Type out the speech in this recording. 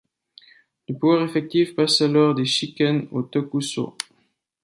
Le pouvoir effectif passe alors des shikken aux tokuso.